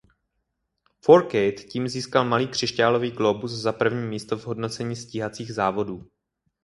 Fourcade tím získal malý křišťálový glóbus za první místo v hodnocení stíhacích závodů.